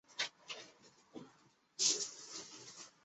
潘善念是南定省义兴府务本县果灵社出生。